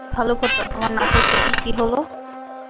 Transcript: ভালো কথা, তোমার নাচের ক্লাসের কী হলো?